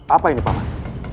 apa ini pak